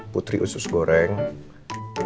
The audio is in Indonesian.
putri usus gorengnya